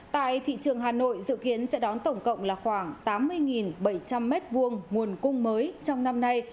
tại thị trường hà nội dự kiến sẽ đón tổng cộng là khoảng tám mươi bảy trăm linh m hai nguồn cung mới trong năm nay